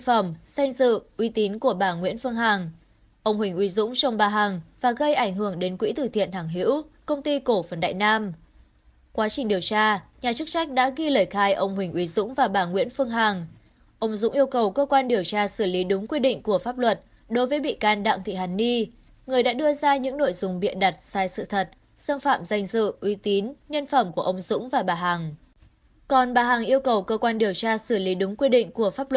trong vụ án này bà nguyễn phương hằng ông huỳnh uy dũng công ty cổ phần đại nam quỹ tử thiện hàng hữu tỉnh bình dương được xác định là người có quyền lợi nghĩa vụ liên quan